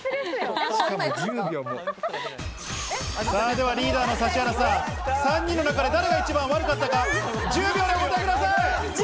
ではリーダーの指原さん、３人の中で誰が一番悪かったか、１０秒でお答えください。